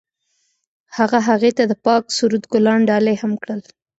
هغه هغې ته د پاک سرود ګلان ډالۍ هم کړل.